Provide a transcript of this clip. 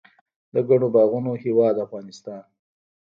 د ګڼو باغونو هیواد افغانستان.